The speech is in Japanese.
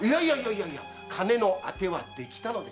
いや金の当てはできたのです。